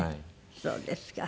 そうですか。